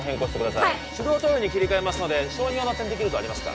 はい手動投与に切り替えますので小児用の点滴ルートありますか？